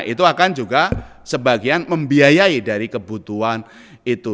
itu akan juga sebagian membiayai dari kebutuhan itu